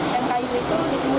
dan kayu itu ditemukan ya